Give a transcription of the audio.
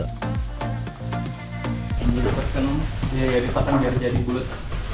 ya ya dipotong jadi bulet